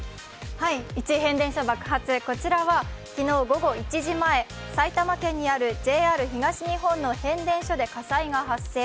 こちらは昨日午後１時前、埼玉県にあるＪＲ東日本の変電所で火災が発生。